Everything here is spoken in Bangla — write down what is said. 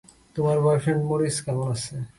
তোমার বয়ফ্রেন্ড মরিস কেমন আছে?